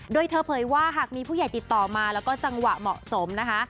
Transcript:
โดยเธอเผยว่าหากมีผู้ใหญ่ติดต่อมาแล้วก็จังหวะเหมาะสมนะคะ